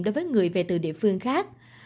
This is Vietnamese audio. đối với người về từ địa phương khác